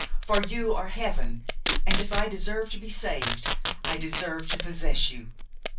for you are heaven! and if I deserve to be saved, I deserve to possess you.